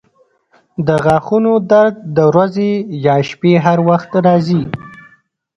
د غاښونو درد د ورځې یا شپې هر وخت راځي.